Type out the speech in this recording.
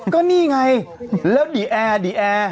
ก็นี่ไงแล้วดีแอร์ดิแอร์